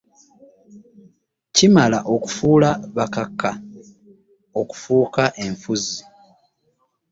Kimala okufuula bakaka okufuuka enfunzi .